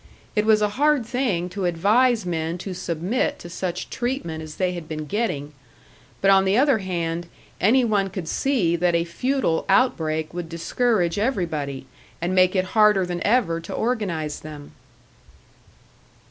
It was a hard thing to advise men to submit to such treatment as they had been getting; but on the other hand, any one could see that a futile outbreak would discourage everybody, and make it harder than ever to organise them.